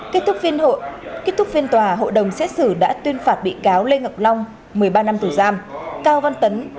kết thúc phiên tòa hội đồng xét xử đã tuyên phạt bị cáo lê ngọc long một mươi ba năm tù giam